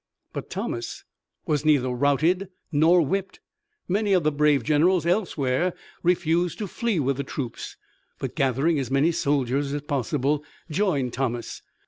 But Thomas was neither routed nor whipped. Many of the brave generals elsewhere refused to flee with the troops, but gathering as many soldiers as possible joined Thomas.